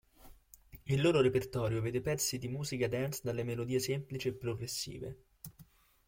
Il loro repertorio vede pezzi di musica dance dalle melodie semplici e progressive.